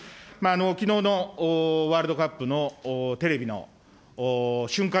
きのうのワールドカップのテレビの瞬間